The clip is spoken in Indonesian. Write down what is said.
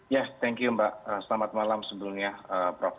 ya thank you mbak selamat malam sebelumnya prof